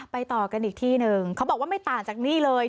ต่อกันอีกที่หนึ่งเขาบอกว่าไม่ต่างจากนี่เลย